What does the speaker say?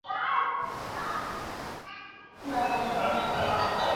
贾敦颐人。